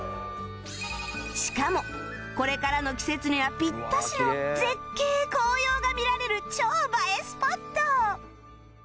しかもこれからの季節にはぴったしの絶景紅葉が見られる超映えスポット！